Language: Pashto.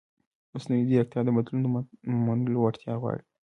مصنوعي ځیرکتیا د بدلون د منلو وړتیا غواړي.